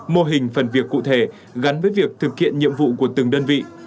mô hình phần việc cụ thể gắn với việc thực hiện nhiệm vụ của từng đơn vị